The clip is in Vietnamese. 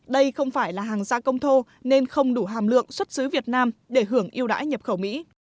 đây không phải là hàng gia công thô nên không đủ hàm lượng xuất xứ việt nam để hưởng yêu đãi nhập khẩu mỹ